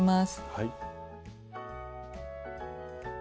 はい。